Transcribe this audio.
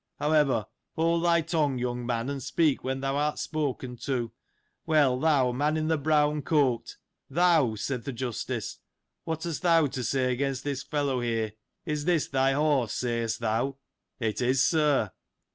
However, hold thy tongue, young man, and speak when thou art spoken to. Well, thou, man in the brown coat ; thou, said th' Justice ; What hast thou to say against this fellow, here ? Is this thy horse, sayest thou ?"" It is, sir."